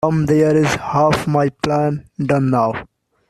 Come, there’s half my plan done now!